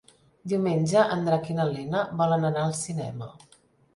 Diumenge en Drac i na Lena volen anar al cinema.